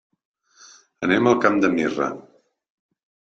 Anem al Camp de Mirra.